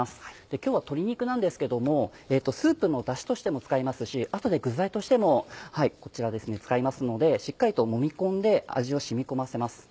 今日は鶏肉なんですけどもスープのダシとしても使いますし後で具材としてもこちら使いますのでしっかりともみ込んで味を染み込ませます。